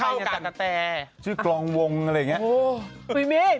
พี่หนุ่มก็รู้จัก